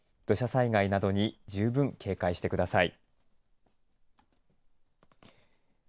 土砂災害などに十分警戒してください。